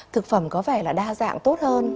thực phẩm có vẻ là đa dạng tốt hơn